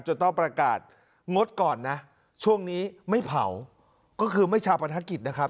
ต้องประกาศงดก่อนนะช่วงนี้ไม่เผาก็คือไม่ชาวประทัดกิจนะครับ